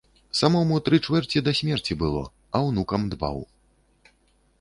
Самому тры чвэрці да смерці было, а ўнукам дбаў.